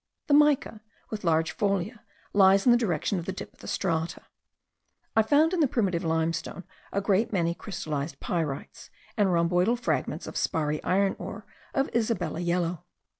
The mica, with large folia, lies in the direction of the dip of the strata. I found in the primitive limestone a great many crystallized pyrites, and rhomboidal fragments of sparry iron ore of Isabella yellow.